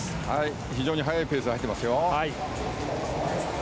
非常に速いペースで入ってますよ。